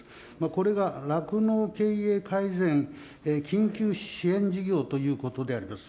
これが酪農経営改善緊急支援事業ということであります。